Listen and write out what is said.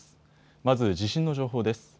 まず地震の情報です。